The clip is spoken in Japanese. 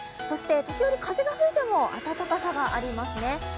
そして時折風が吹いても暖かさがありますね。